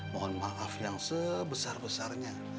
mohon maaf yang sebesar besarnya